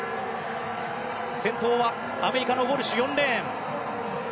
先頭はアメリカのウォルシュ４レーン。